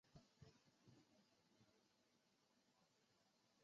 金山东东路宁海州牟平县。